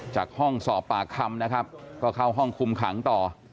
จากห้องสอบปากคำนะครับก็เข้าห้องคุมขังต่อ